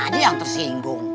ada yang tersinggung